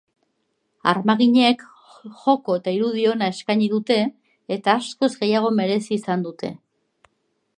Armaginek joko eta irudi ona eskaini dute eta askoz gehiago merezi izan dute.